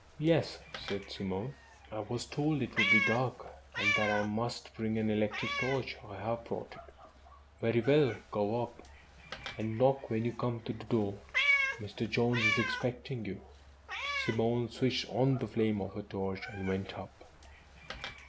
"Yes," said Simone, "I was told it would be dark, and that I must bring an electric torch. I have brought it." "Very well. Go up, and knock when you come to the door. Mr. Jones is expecting you." Simone switched on the flame of her torch, and went up.